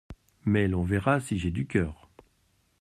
Mais l’on verra si j’ai du cœur !…